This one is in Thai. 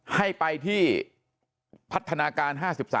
ให้ไปที่พัฒนาการ๕๓